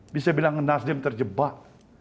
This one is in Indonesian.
bisa bilang nasdem terjebak